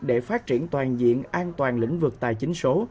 để phát triển toàn diện an toàn lĩnh vực tài chính số